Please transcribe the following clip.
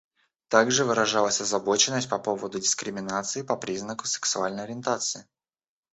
Также выражалась озабоченность по поводу дискриминации по признаку сексуальной ориентации.